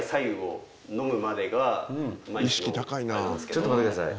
ちょっと待って下さい。